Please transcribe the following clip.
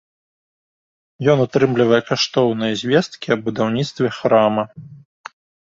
Ён утрымлівае каштоўныя звесткі аб будаўніцтве храма.